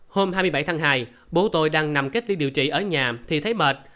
hôm hai mươi bảy tháng hai bố tôi đang nằm kết liên điều trị ở nhà thì thấy mệt